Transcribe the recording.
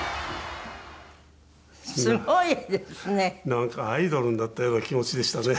なんかアイドルになったような気持ちでしたね。